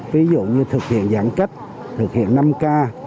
ví dụ như thực hiện giãn cách thực hiện năm k